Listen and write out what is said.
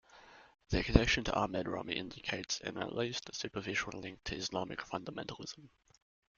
Their connection to Ahmed Rami indicates an at least superficial link to Islamic Fundamentalism.